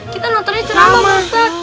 kita nontonnya ceramah pak ustaz